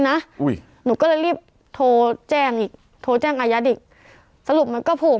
อุ้ยหนูก็เลยรีบโทรแจ้งอีกโทรแจ้งอายัดอีกสรุปมันก็ผูก